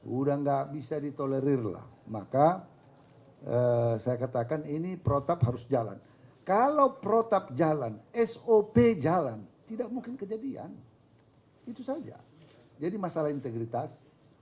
udah nggak bisa ditolerir lah maka saya katakan ini protap harus jalan kalau protap jalan sop jalan tidak mungkin kejadian itu saja jadi masalah integritas